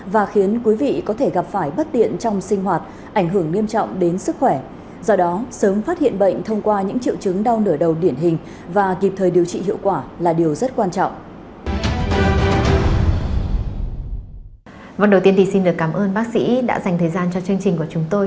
vâng đầu tiên thì xin được cảm ơn bác sĩ đã dành thời gian cho chương trình của chúng tôi